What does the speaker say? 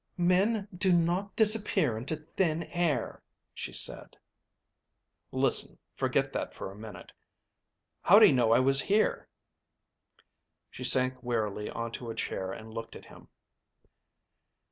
"Men do not disappear into thin air," she said. "Listen, forget that for a minute. How'd he know I was here?" She sank wearily onto a chair and looked at him.